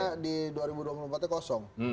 karena di dua ribu dua puluh empat nya kosong